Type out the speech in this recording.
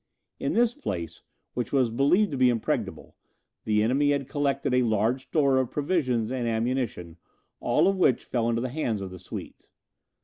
In this place, which was believed to be impregnable, the enemy had collected a large store of provisions and ammunition, all of which fell into the hands of the Swedes.